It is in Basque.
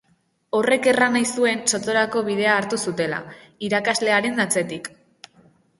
Horrek erran nahi zuen sotorako bidea hartu zutela, irakaslearen atzetik.